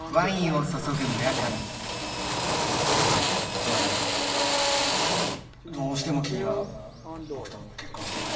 つまりどうしても君は僕と結婚してくれないんだね？